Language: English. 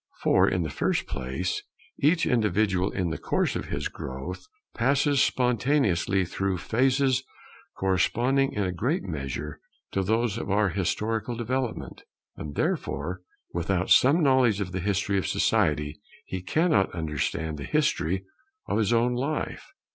For, in the first place, each individual in the course of his growth passes spontaneously through phases corresponding in a great measure to those of our historical development; and therefore, without some knowledge of the history of society, he cannot understand the history of his own life.